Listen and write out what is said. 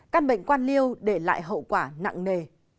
các bệnh quan liêu để lại hậu quả nặng nề